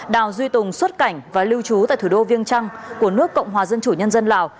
đào duy tùng xuất cảnh và lưu trú tại thủ đô viêng trăn của nước cộng hòa dân chủ nhân dân lào